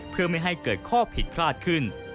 เพื่อไม่ให้เกิดข้อผิดพลาดขึ้น